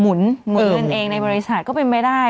หมุนเงินเองในบริษัทก็เป็นไปได้